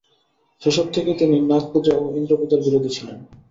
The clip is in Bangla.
শৈশব থেকেই তিনি নাগপূজা ও ইন্দ্রপূজার বিরোধী ছিলেন।